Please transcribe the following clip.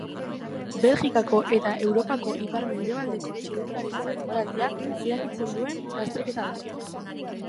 Belgikako eta Europako ipar-mendebaldeko txirrindularitza denboraldia irekitzen duen lasterketa da.